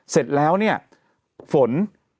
เสร็จแล้วฝน